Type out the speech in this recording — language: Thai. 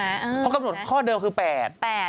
เพราะกำหนดข้อเดิมคือ๘๘